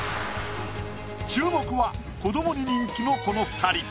⁉注目は子どもに人気のこの二人。